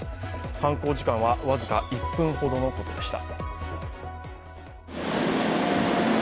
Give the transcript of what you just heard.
犯行時間は僅か１分ほどのことでした。